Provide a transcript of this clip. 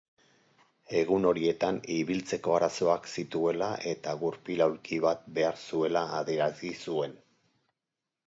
Egun horietan, ibiltzeko arazoak zituela eta gurpil-aulki bat behar zuela adierazi zuen.